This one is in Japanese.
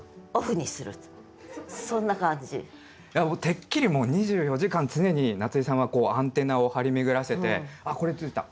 てっきり２４時間常に夏井さんはアンテナを張り巡らせて「あっこれ思いついた！